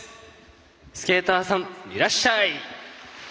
「スケーターさんいらっしゃい」。